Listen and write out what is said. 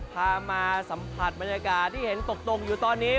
พามาสัมผัสบรรยากาศที่เห็นตกอยู่ตอนนี้